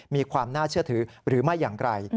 มีความน่าเชื่อถือหรือไม่อย่างไร